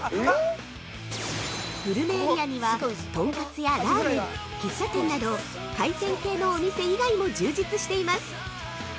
◆グルメエリアには、トンカツやラーメン、喫茶店など海鮮系のお店以外も充実しています！